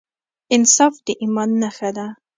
انصاف د ایمان نښه ده.